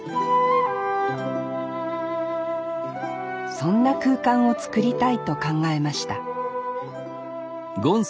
そんな空間を作りたいと考えました